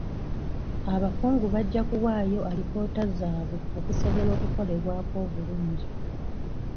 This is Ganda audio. Abakungu bajja kuwaayo alipoota zaabwe okusobola okukolebwako obulungi.